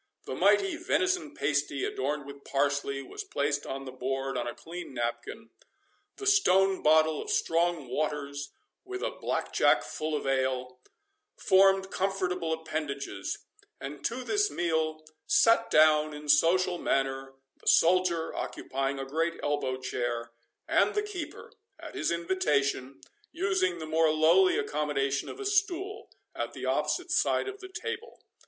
The mighty venison pasty, adorned with parsley, was placed on the board on a clean napkin; the stone bottle of strong waters, with a blackjack full of ale, formed comfortable appendages; and to this meal sate down in social manner the soldier, occupying a great elbow chair, and the keeper, at his invitation, using the more lowly accommodation of a stool, at the opposite side of the table.